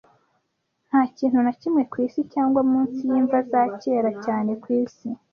Nta kintu na kimwe ku isi, cyangwa munsi y'imva za kera cyane ku isi,